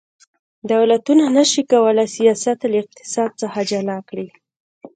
دولتونه نشي کولی سیاست له اقتصاد څخه جلا کړي